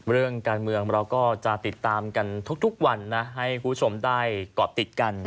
เรื่องการเมืองเราก็จะติดตามกันทุกวันนะให้คุณผู้ชมได้เกาะติดกัน